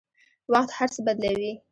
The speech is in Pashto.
وخت هر څه بدلوي.